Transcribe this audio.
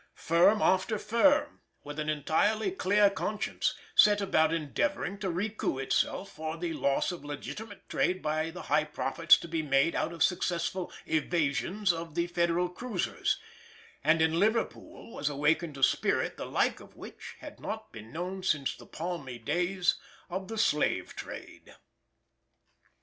Firm after firm, with an entirely clear conscience, set about endeavouring to recoup itself for the loss of legitimate trade by the high profits to be made out of successful evasions of the Federal cruisers; and in Liverpool was awakened a spirit the like of which had not been known since the palmy days of the slave trade.